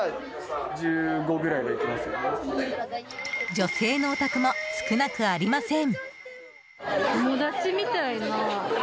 女性のオタクも少なくありません。